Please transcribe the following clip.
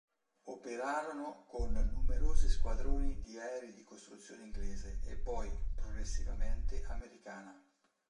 Operarono con numerosi squadroni di aerei di costruzione inglese e poi, progressivamente, americana.